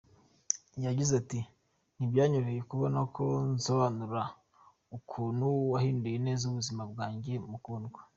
Yagize ati "Ntibyanyorohera kubona uko nsobanura ukuntu wahinduye neza ubuzima bwanjye Mukundwa.